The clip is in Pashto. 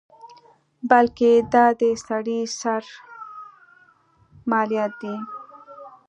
بلکې دا د سړي سر مالیات دي.